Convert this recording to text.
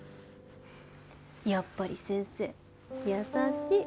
やっぱり先生優しい。